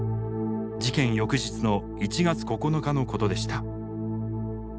事件翌日の１月９日のことでした。